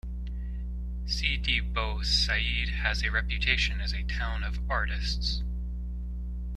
Sidi Bou Said has a reputation as a town of artists.